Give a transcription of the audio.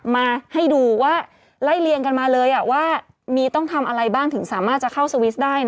มาให้ดูว่าไล่เลี่ยงกันมาเลยว่ามีต้องทำอะไรบ้างถึงสามารถจะเข้าสวิสได้